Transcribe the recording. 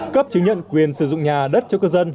cấp chứng nhận quyền sử dụng nhà đất cho cư dân